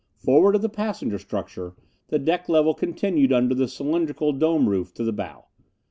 Forward of the passenger structure the deck level continued under the cylindrical dome roof to the bow.